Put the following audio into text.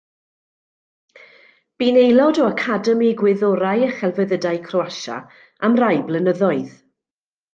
Bu'n aelod o Academi Gwyddorau a Chelfyddydau Croasia am rai blynyddoedd.